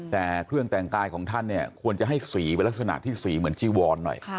แต่เครื่องแต่งกายของท่านเนี่ยควรจะให้สีเป็นลักษณะที่สีเหมือนจีวอนหน่อย